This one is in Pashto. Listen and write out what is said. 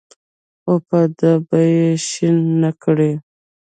خو په ده به یې شین نکړې.